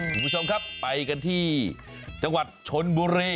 คุณผู้ชมครับไปกันที่จังหวัดชนบุรี